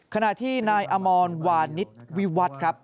ขณะที่นายอมรวานิสวิวัตรครับ